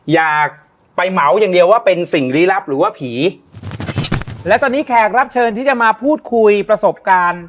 อยากไปเหมาอย่างเดียวว่าเป็นสิ่งลี้ลับหรือว่าผีและตอนนี้แขกรับเชิญที่จะมาพูดคุยประสบการณ์